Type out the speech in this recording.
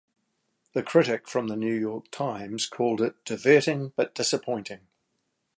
The critic from the "New York Times" called it "diverting but disappointing".